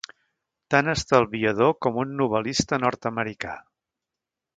Tan estalviador com un novel·lista nord-americà.